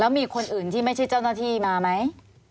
มีคนอื่นที่ไม่ใช่เจ้าหน้าที่มาไหม